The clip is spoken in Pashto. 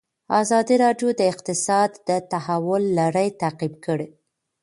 ازادي راډیو د اقتصاد د تحول لړۍ تعقیب کړې.